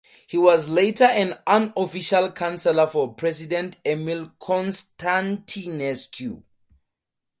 He was later an unofficial counselor for president Emil Constantinescu.